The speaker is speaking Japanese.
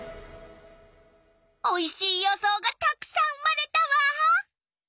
おいしい予想がたくさん生まれたわ！